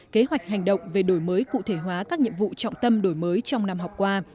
kế hoạch hành động về đổi mới cụ thể hóa các nhiệm vụ trọng tâm đổi mới trong năm học qua